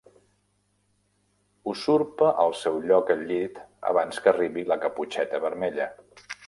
Usurpa el seu lloc al llit abans que arribi la Caputxeta Vermella.